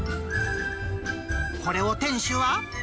これを店主は。